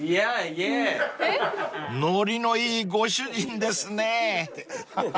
［ノリのいいご主人ですねぇ］